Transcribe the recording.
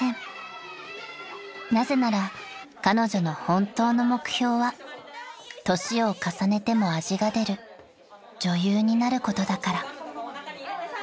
［なぜなら彼女の本当の目標は年を重ねても味が出る女優になることだから］